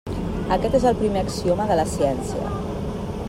Aquest és el primer axioma de la ciència.